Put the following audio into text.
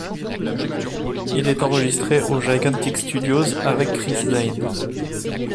Il est enregistré aux Gigantic Studios avec Chris Zane.